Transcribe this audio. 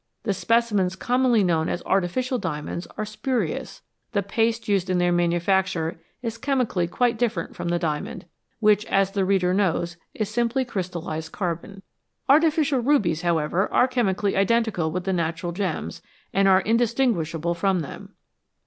The specimens commonly known as "artificial diamonds " are spurious ; the " paste " used in their manufacture is chemically quite different from the dia mond, which, as the reader knows, is simply crystallised carbon. Artificial rubies, however, are chemically identi cal with the natural gems, and are indistinguishable from them.